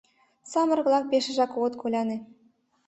Самырык-влак пешыжак огыт коляне.